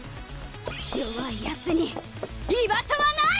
弱いヤツに居場所はない！